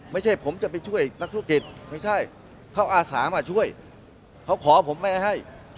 ไม่ใช่ผมจะไปช่วยนักธุรกิจไม่ใช่เขาอาสามาช่วยเขาขอผมไม่ให้